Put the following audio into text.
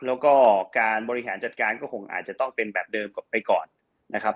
แล้วก็การบริหารจัดการก็คงอาจจะต้องเป็นแบบเดิมไปก่อนนะครับ